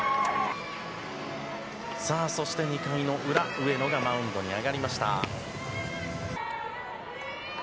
さあ、そして２回の裏、上野がマウンドに上がりました。